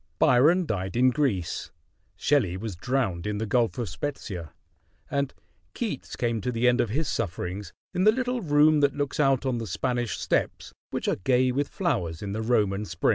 Byron died in Greece, Shelley was drowned in the Gulf of Spezia (spet´ see eh), and Keats came to the end of his sufferings in the little room that looks out on the Spanish steps which are gay with flowers in the Roman spring.